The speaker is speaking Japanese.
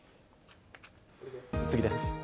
次です。